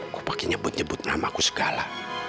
kok pake nyebut nyebut nama aku segala